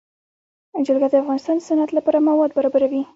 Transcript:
جلګه د افغانستان د صنعت لپاره مواد برابروي.